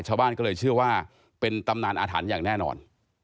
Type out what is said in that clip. ชาวบ้านก็เลยเชื่อว่าเป็นตำนานอาถรรพ์อย่างแน่นอน